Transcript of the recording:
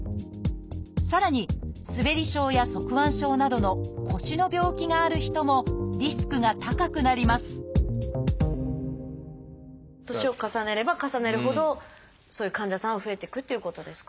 さらに「すべり症」や「側弯症」などの腰の病気がある人もリスクが高くなります年を重ねれば重ねるほどそういう患者さんは増えていくっていうことですか？